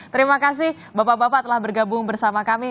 terimakasih bapak bapak telah bergabung bersama kami